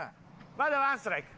まだワンストライク。